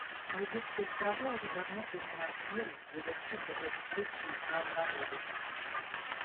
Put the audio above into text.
Мальдивские Острова уже давно принимают меры для защиты и обеспечения права на воду.